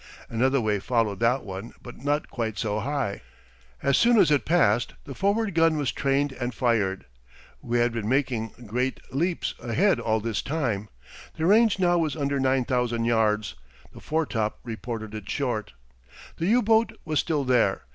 Another wave followed that one, but not quite so high. As soon as it passed the forward gun was trained and fired. We had been making great leaps ahead all this time the range now was under 9,000 yards. The foretop reported it short. The U boat was still there.